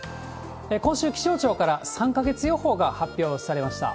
今週、気象庁から３か月予報が発表されました。